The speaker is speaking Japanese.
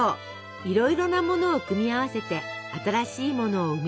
いろいろなものを組み合わせて新しいものを生み出す。